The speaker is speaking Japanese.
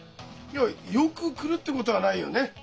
いや「よく来る」ってことはないよね。